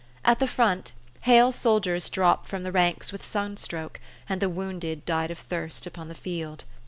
At the front, hale soldiers dropped from the ranks with sunstroke, and the wounded died of thirst upon the field